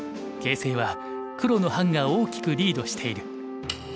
形勢は黒の范が大きくリードしている。